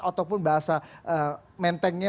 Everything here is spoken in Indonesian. ataupun bahasa mentengnya